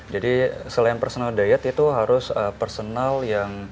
jadi selain personal diet itu harus personal yang